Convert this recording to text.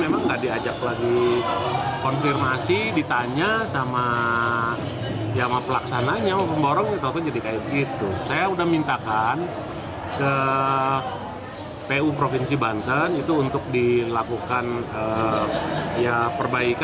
yang dilakukan perbaikan pembangunan kalau perlu itu diganti